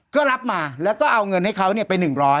ก็รับมาแล้วก็เอาเงินให้เขาไป๑๐๐